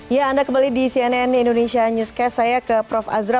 ya anda kembali di cnn indonesia newscast saya ke prof azra